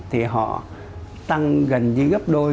thì họ tăng gần như gấp đôi